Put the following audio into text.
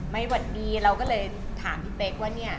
สวัสดีเราก็เลยถามพี่เป๊กว่าเนี่ย